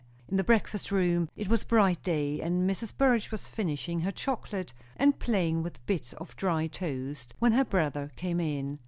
In the breakfast room it was bright day; and Mrs. Burrage was finishing her chocolate and playing with bits of dry toast, when her brother came in.